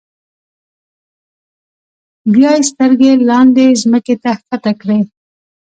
بیا یې سترګې لاندې ځمکې ته ښکته کړې.